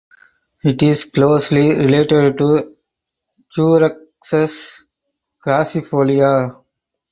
It is closely related to "Quercus crassifolia".